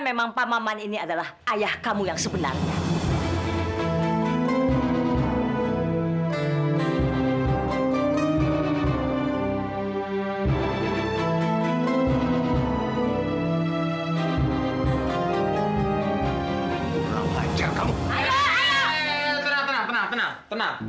memang pak maman ini adalah ayah kamu yang sebenarnya